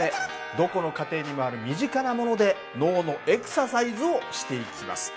どこの家庭にもある身近なもので脳のエクササイズをしていきます。